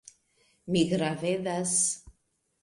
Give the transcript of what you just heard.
Mi gravedas.